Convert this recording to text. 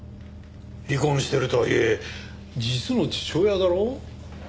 離婚しているとはいえ実の父親だろ？